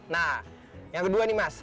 nah yang kedua nih mas